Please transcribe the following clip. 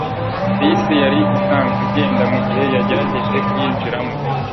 Bisi yari isanzwe igenda mugihe yagerageje kuyinjiramo